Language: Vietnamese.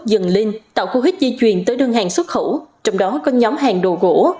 năm hai nghìn hai mươi bốn dần lên tạo khu hít di chuyển tới đơn hàng xuất khẩu trong đó có nhóm hàng đồ gỗ